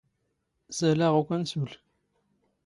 ⵙⴰⵍⴰⵖ ⵓⴽⴰⵏ ⵙⵓⵍ.